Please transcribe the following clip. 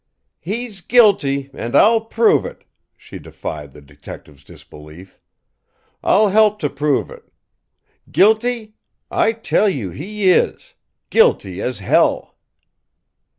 "He's guilty, and I'll prove it!" she defied the detective's disbelief. "I'll help to prove it. Guilty? I tell you he is guilty as hell!"